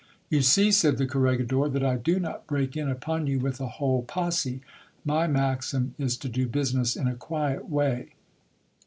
You see, said the corregidor, that I do not break in upon you with a whole posse : my maxim is to do business in a quiet way.